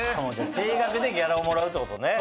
定額でギャラをもらうってことね。